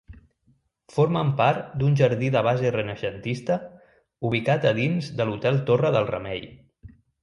Formen part d'un jardí de base renaixentista ubicat a dins de l'hotel Torre del Remei.